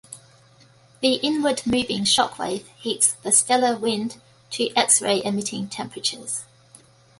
The inward moving shock wave heats the stellar wind to X-ray-emitting temperatures.